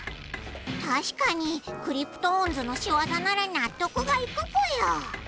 確かにクリプトオンズのしわざなら納得がいくぽよ。